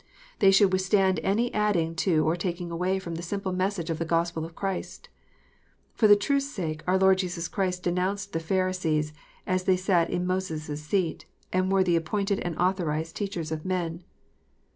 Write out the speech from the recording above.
They should withstand any adding to or taking away from the simple message of the Gospel of Christ. For the truth s sake, our Lord Jesus Christ denounced the Pharisees, though they sat in Moses seat, and were the appointed and authorized teachers of men.